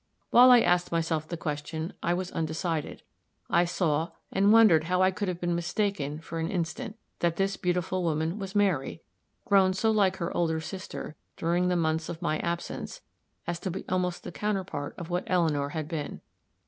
While I asked myself the question, I was undecided. I saw (and wondered how I could have been mistaken for an instant), that this beautiful woman was Mary, grown so like her older sister, during the months of my absence, as to be almost the counterpart of what Eleanor had been.